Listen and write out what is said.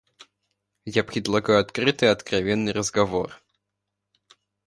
Я предлагаю открытый и откровенный разговор.